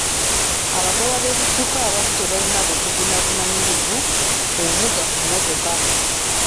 Abagoba b'ebidduka abamu tebalina bukugu na bumanyirivu kuvuga mmotoka.